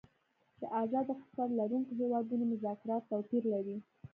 د آزاد اقتصاد لرونکو هیوادونو مذاکرات توپیر لري